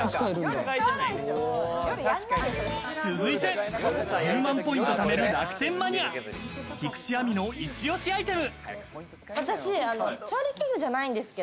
続いて、１０万ポイントためる楽天マニア、菊地亜美の一押しアイテム。